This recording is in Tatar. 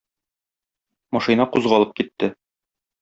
Машина кузгалып китте.